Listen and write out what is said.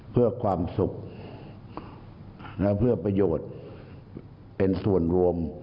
เพื่อความสุขและเพื่อประโยชน์เป็นส่วนรวม